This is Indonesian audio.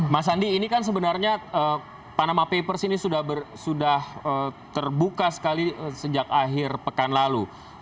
mas andi ini kan sebenarnya panama papers ini sudah terbuka sekali sejak akhir pekan lalu